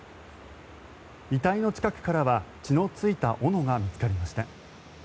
遺体の近くからは血のついた斧が見つかりました。